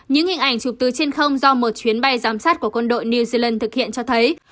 những hình ảnh chụp từ trên không do một chuyến bay giám sát của quân đội new zealand thực hiện cho thấy